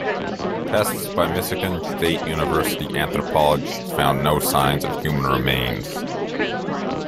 Tests by Michigan State University anthropologists found no signs of human remains.